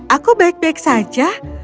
aku baik baik saja